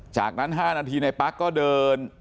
จากนั้น๕นาทีในปั๊กก็เดิน